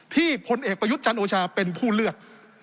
ที่คนเอกกระยุทธ์จังห์โอชาเป็นผู้เลือก